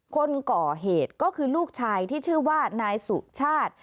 คนก่อเหตุก็คือลูกชายที่ชื่อว่านายสุชาติ